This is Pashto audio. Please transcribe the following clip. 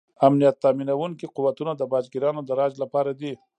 امنیت تامینونکي قوتونه د باج ګیرانو د راج لپاره دي.